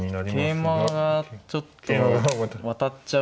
桂馬がちょっと渡っちゃうんで。